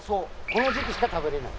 この時期しか食べれない。